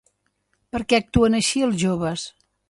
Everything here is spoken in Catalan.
Per què actuen així, els joves?